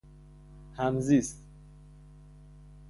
همزیست